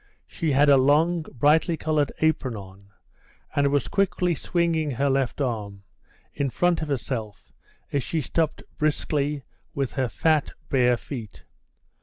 She had a long, brightly coloured apron on, and was quickly swinging her left arm in front of herself as she stepped briskly with her fat, bare feet.